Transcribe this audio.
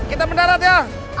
kita mendarat ya